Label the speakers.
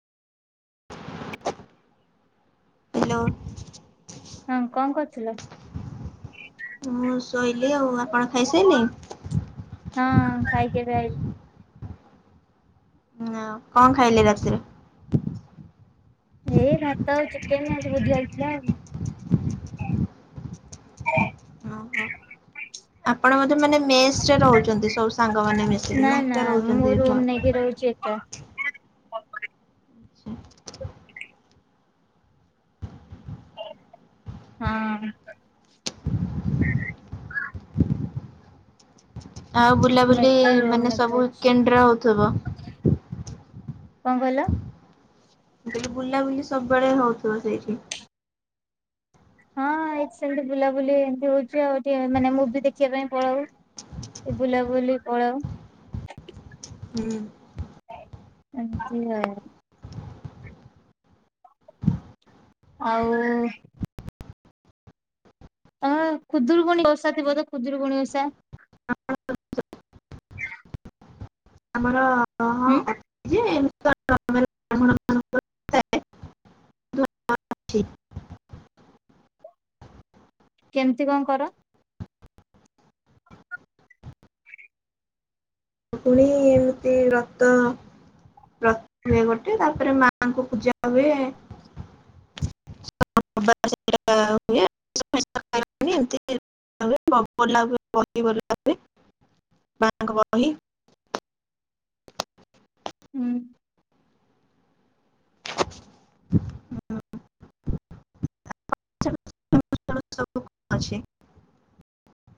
Speaker 1: Hello.
Speaker 2: ହଁ କଣ କରୁଥିଲ?
Speaker 1: ମୁଁ ଶୋଇଲିି ଆଉ ଆପଣ ଖାଇସାରିଲେଣି?
Speaker 2: ହଁଁ ଖାଇକି ଏବେ ଆଇଲି।
Speaker 1: ହଁ କଣ ଖାଇଲେ ରାତିରେ?
Speaker 2: ଏଇ ଭାତ ଆଉ ଚିକେନ ଆଜି ବୁଧବାର ଥିଲା ଆଉ
Speaker 1: ଓ ହ। ଆପଣ ବୋଧେ ମାନେ ମେସରେ ରହୁଛନ୍ତି ସବୁ ସାଙ୍ଗ ମାନେ ମିଶିକି ନାଇ ଏକା ରହୁଛନ୍ତି। ଘ
Speaker 2: ଲାଗି ରହୁଛି। [unintelligible] ହଁ।
Speaker 1: ଆଉ
Speaker 2: ମୁଁ
Speaker 1: ବୁଲାବୁଲି
Speaker 2: ଏକା ରୁମ
Speaker 1: ମାନେ
Speaker 2: ନେଇକି
Speaker 1: ସବୁ
Speaker 2: ରହୁଛି।
Speaker 1: ୱିକେଣ୍ଡ ରେ ହଉଥିବ।
Speaker 2: କଣ କହିଲ?
Speaker 1: କହିଲି ବୁଲାବୁଲି ସବୁବେଳେ ହଉଥିବ ସେଇଠି।
Speaker 2: ହଁ ଏ ସେମିତି ବୁଲାବୁଲି ଏମିତି ହୋଉଚି ଆଉ ଟିକେ ମାନେ ମୁଭି ଦେଖିବା ପାଇଁ ପଳୋଉ। ଏ ବୁଲାବୁଲି ପଳାଉ।
Speaker 1: ହୁଁ।
Speaker 2: ଆଜ୍ଞା। ଆଉ। ତମେ ଖୁଦୁରୁକୁଣି ଓଷା ଥିବ ତ ଖୁଦୁରୁକୁଣି ଓଷା।
Speaker 1: ଆମର ହଁ
Speaker 2: ହୁଁ
Speaker 1: ଅଛି ଯେ [unintelligible] ଯେ
Speaker 2: କେମତି କଣ କର।
Speaker 1: ପୁଣି ଏମିତି ରତ ବ୍ରତ ହୁଏ ଗୋଟେ ତାପରେ ମାତାଙ୍କୁ ପୂଜା ହୁଏ। [unintelligible] [unintelligible] ବହି ବୋଲା ହୁଏ ମାଙ୍କ ବହି
Speaker 2: ହୁଁ।
Speaker 1: ହଁ। [unintelligible] ଅଛି।